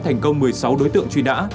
thành công một mươi sáu đối tượng truy nã